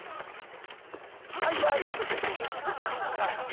早いって！